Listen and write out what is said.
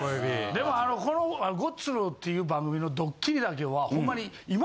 でもあのこの『ごっつ』っていう番組のドッキリだけはほんまに。